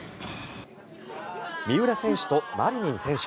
三浦選手とマリニン選手